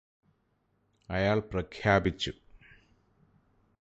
അയാള് പ്രഖ്യാപിച്ചു